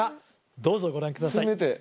どうぞご覧ください